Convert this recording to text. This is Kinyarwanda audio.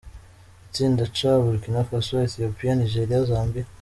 Itsinda C : Burkina Faso, Ethiopia, Nigeria, Zambia.